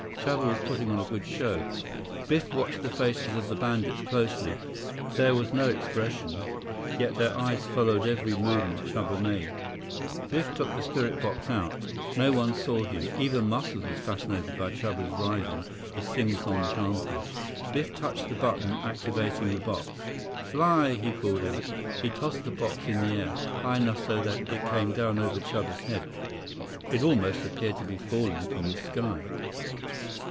125 Chuba was putting on a good show. Biff watched the faces of the bandits closely. There was no expression, yet their eyes followed every movement Chuba made. Biff took the spirit box out. No one saw him. Even Muscles was fascinated by Chuba's writhing, his sing song chanting. Biff touched the button activating the box. "Fly!" he called out. He tossed the box in the air, high enough so that as it came down over Chuba's head, it almost appeared to be falling from the sky.